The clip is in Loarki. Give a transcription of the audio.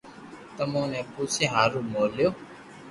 تمو ني پوسيا ھارو مو ليو